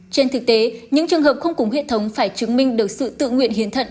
trên thực tế những trường hợp không cùng huyết thống phải chứng minh được sự tự nguyện hiến thận